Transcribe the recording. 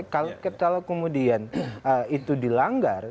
kalau kemudian itu dilanggar